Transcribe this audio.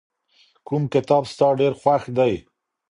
کوم کتاب ستا ډېر خوښ دی؟